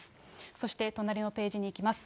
そして隣のページにいきます。